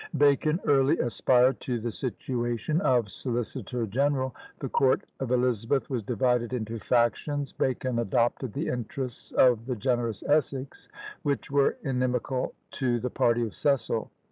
Bacon early aspired to the situation of Solicitor General; the court of Elizabeth was divided into factions; Bacon adopted the interests of the generous Essex, which were inimical to the party of Cecil.